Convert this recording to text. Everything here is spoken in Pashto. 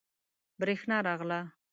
بریښنا راغله